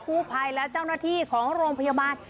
ผู้ภัยและเจ้าหน้าที่ของโรงพยาบาล